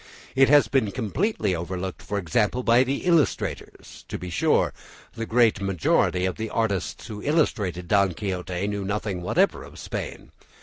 It has been completely overlooked, for example, by the illustrators. To be sure, the great majority of the artists who illustrated "Don Quixote" knew nothing whatever of Spain.